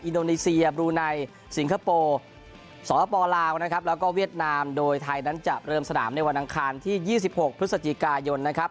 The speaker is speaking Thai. อินโดนีเซียบลูไนสิงคโปร์สปลาวนะครับแล้วก็เวียดนามโดยไทยนั้นจะเริ่มสนามในวันอังคารที่๒๖พฤศจิกายนนะครับ